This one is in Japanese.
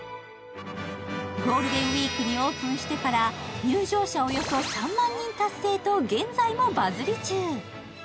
ゴールデンウイークにオープンしてから入場者およそ３万人達成と現在もバズり中。